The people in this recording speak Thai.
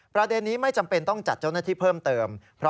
ประเด็นนี้ไม่จำเป็นต้องจัดเจ้าหน้าที่เพิ่มเติม